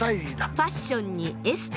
ファッションにエステ！